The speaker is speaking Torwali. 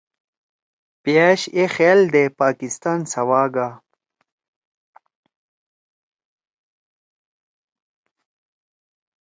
پأش اے خیال دے پاکستان سوا گا